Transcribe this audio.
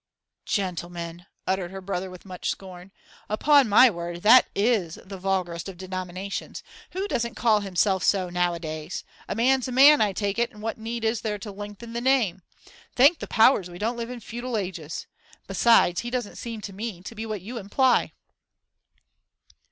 'Gentleman!' uttered her brother with much scorn. 'Upon my word, that is the vulgarest of denominations! Who doesn't call himself so nowadays! A man's a man, I take it, and what need is there to lengthen the name? Thank the powers, we don't live in feudal ages. Besides, he doesn't seem to me to be what you imply.